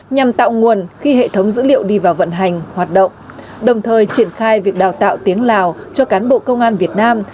nhằm tạo nguồn khi hệ thống dữ liệu đi vào vận hành hoạt động đồng thời triển khai việc đào tạo tiếng lào cho cán bộ công an việt nam